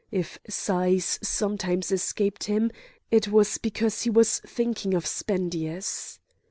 If sighs sometimes escaped him, it was because he was thinking of Spendius.